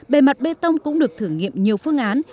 bề mặt bê tông cũng được thử nghiệm nhiều phương án